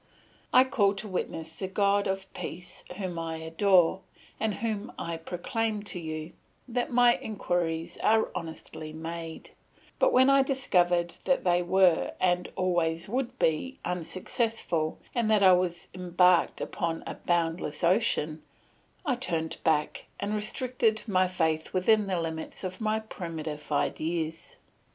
I call to witness the God of Peace whom I adore, and whom I proclaim to you, that my inquiries were honestly made; but when I discovered that they were and always would be unsuccessful, and that I was embarked upon a boundless ocean, I turned back, and restricted my faith within the limits of my primitive ideas.